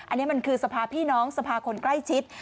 อันนี้มันคือสภาพี่น้องสภาคนใกล้ชิด